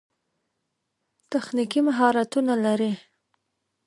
تخنیکي مهارتونه لري.